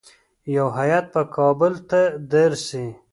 یو هیات به کابل ته درسي.